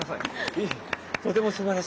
いえとてもすばらしいです。